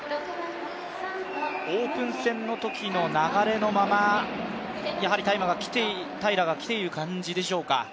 オープン戦のときの流れのまま、平良が来ている感じでしょうか。